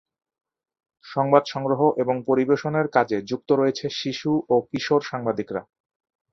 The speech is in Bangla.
সংবাদ সংগ্রহ এবং পরিবেশনের কাজে যুক্ত রয়েছে শিশু ও কিশোর সাংবাদিকরা।